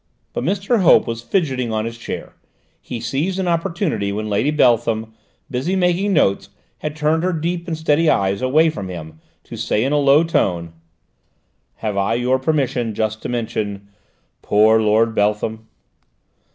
But Mr. Hope was fidgeting on his chair. He seized an opportunity when Lady Beltham, busy making notes, had turned her deep and steady eyes away from him, to say in a low tone: "Have I your permission just to mention poor Lord Beltham?"